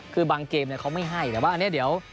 คือบางเกมเขาไม่ให้แต่ว่าอันนี้เดี๋ยว